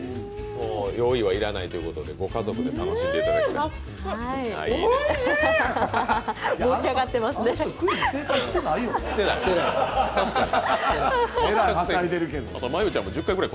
用意は要らないということでご家族で楽しんでいただきたい。